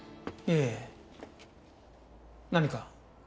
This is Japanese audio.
いいえ何か？